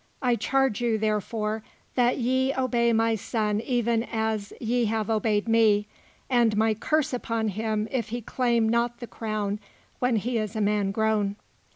I charge you, therefore, that ye obey my son even as ye have obeyed me; and my curse upon him if he claim not the crown when he is a man grown."